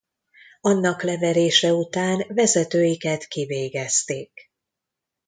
Annak leverése után vezetőiket kivégezték.